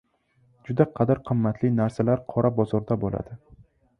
Juda qadr-qimmatli narsalar qora bozorda bo‘ladi.